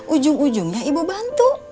ujung ujungnya ibu bantu